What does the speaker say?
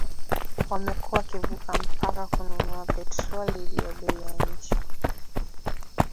wamekuwa wakivuka mpaka kununua petroli iliyo bei ya chini